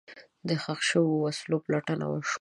د ښخ شوو وسلو پلټنه وشوه.